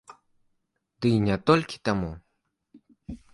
Дый не толькі таму!